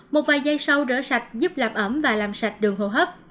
một vài giây sau rửa sạch giúp làm ẩm và làm sạch đường hồ hấp